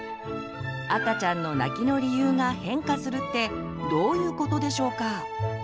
赤ちゃんの泣きの理由が変化するってどういうことでしょうか？